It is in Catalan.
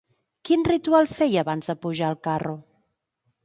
Quin ritual feia abans de pujar al carro?